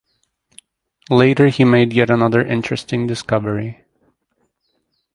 Later he made yet another interesting discovery.